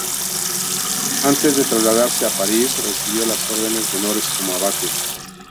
Antes de trasladarse a París, recibió las órdenes menores como abate.